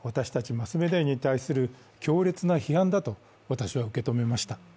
マスメディアに対する強烈な批判だと私は受け止めました。